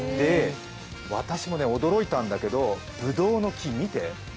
私も驚いたんだけどぶどうの木、見て。